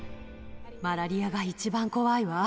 マラリアが一番怖いわ。